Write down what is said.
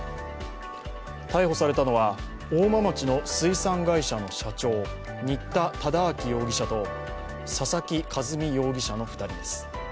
逮捕されたのは大間町の水産会社の社長新田忠明容疑者と佐々木一美容疑者の２人です。